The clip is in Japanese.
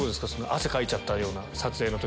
汗かいちゃったような撮影の時。